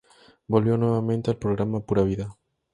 Volvió nuevamente al programa "Pura Vida".